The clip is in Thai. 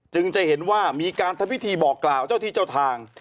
จะเห็นว่ามีการทำพิธีบอกกล่าวเจ้าที่เจ้าทาง